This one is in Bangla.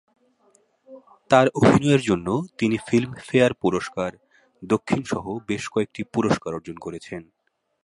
তার অভিনয়ের জন্য তিনি ফিল্মফেয়ার পুরস্কার দক্ষিণ সহ বেশ কয়েকটি পুরস্কার অর্জন করেছেন।